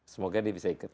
semoga dia bisa ikut